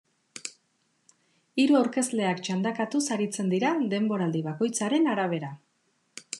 Hiru aurkezleak txandakatuz aritzen dira denboraldi bakoitzaren arabera.